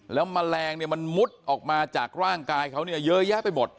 แล้วแมลงเนี่ยมันมุดออกมาจากร่างกายเขาเนี่ยเยอะแยะไปหมด